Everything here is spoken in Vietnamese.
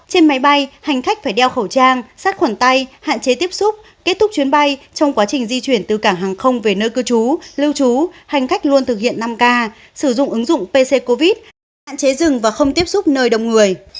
trên máy bay hành khách phải đeo khẩu trang sát khuẩn tay hạn chế tiếp xúc kết thúc chuyến bay trong quá trình di chuyển từ cảng hàng không về nơi cư trú lưu trú hành khách luôn thực hiện năm k sử dụng ứng dụng pc covid hạn chế dừng và không tiếp xúc nơi đông người